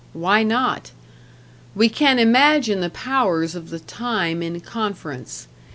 Why not? We can imagine the powers of the time in conference.